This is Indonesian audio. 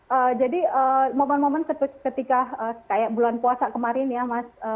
ya jadi momen momen ketika kayak bulan puasa kemarin ya mas